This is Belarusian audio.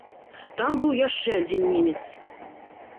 Там быў яшчэ адзін немец.